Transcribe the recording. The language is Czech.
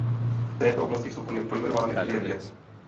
V této oblasti jsou po něm pojmenovány dvě věty.